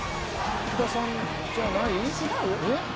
福田さんじゃない？